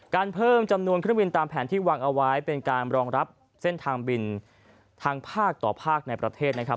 เพิ่มจำนวนเครื่องบินตามแผนที่วางเอาไว้เป็นการรองรับเส้นทางบินทางภาคต่อภาคในประเทศนะครับ